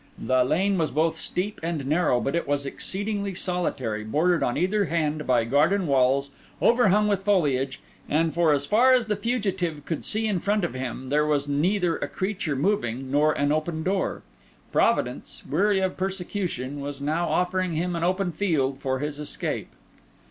The lane was both steep and narrow, but it was exceedingly solitary, bordered on either hand by garden walls, overhung with foliage; and, for as far as the fugitive could see in front of him, there was neither a creature moving nor an open door. Providence, weary of persecution, was now offering him an open field for his escape.